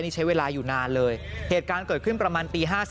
นี่ใช้เวลาอยู่นานเลยเหตุการณ์เกิดขึ้นประมาณตี๕๔